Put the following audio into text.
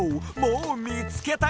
もうみつけたＹＯ！